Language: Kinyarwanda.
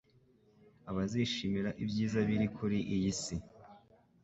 Abazishimira ibyiza biri kuri iyi si